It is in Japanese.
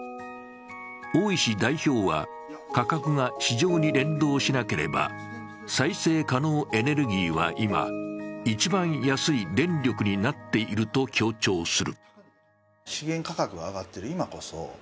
大石代表は、価格が市場に連動しなければ、再生可能エネルギーは今一番安い電力になっていると強調する。